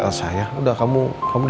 gue di citaitudang sedang gabung kapal